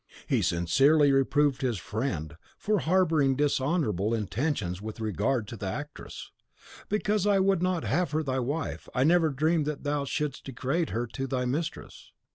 He sincerely reproved his friend for harbouring dishonourable intentions with regard to the actress. "Because I would not have her thy wife, I never dreamed that thou shouldst degrade her to thy mistress.